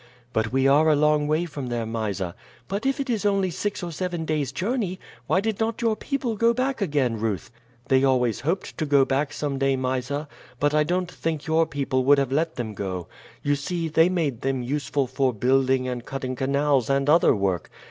"But we are a long way from there, Mysa." "But if it is only six or seven days' journey why did not your people go back again, Ruth?" "They always hoped to go back some day, Mysa; but I don't think your people would have let them go. You see, they made them useful for building and cutting canals and other work.